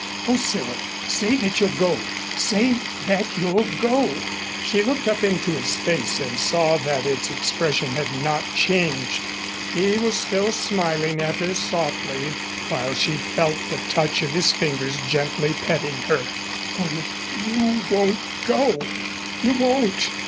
O Cyril, say that you'll go say that you'll go " She looked up into his face and saw that its expression had not changed. He was still smiling at her softly while she felt the touch of his fingers gently petting her. "Oh you won't go you won't!"